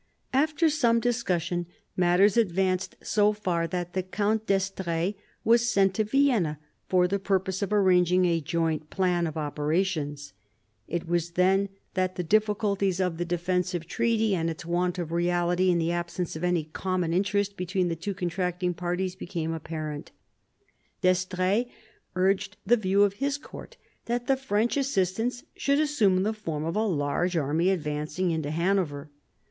After some discussion, matters advanced so far that the Count d'Estrees was sent to Vienna for the purpose of arranging a joint plan of operations. It was then that the difficulties of the defensive treaty, and its want of reality in the absence of any common interest between the two contracting parties, became apparent D'Estrees urged the view of his court that the French assistance should assume the form of a large army advancing into Hanover.